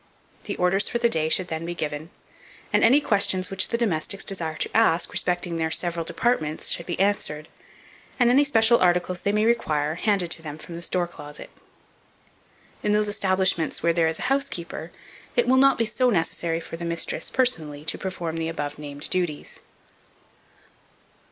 The orders for the day should then be given, and any questions which the domestics desire to ask, respecting their several departments, should be answered, and any special articles they may require, handed to them from the store closet. In those establishments where there is a housekeeper, it will not be so necessary for the mistress, personally, to perform the above named duties.